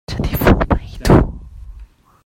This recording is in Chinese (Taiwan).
整體服務滿意度